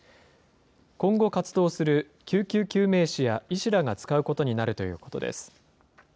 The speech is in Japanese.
今後活動する救急救命士や医師らが使うことになるということです。